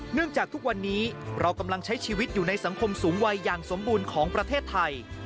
จากทุกวันนี้เรากำลังใช้ชีวิตอยู่ในสังคมสูงวัยอย่างสมบูรณ์ของประเทศไทย